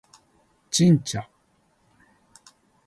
ちんちゃ？